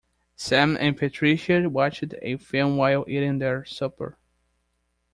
Sam and Patricia watched a film while eating their supper.